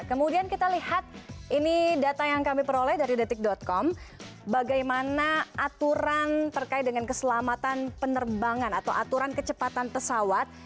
kemudian kita lihat ini data yang kami peroleh dari detik com bagaimana aturan terkait dengan keselamatan penerbangan atau aturan kecepatan pesawat